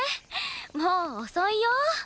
もう遅いよ？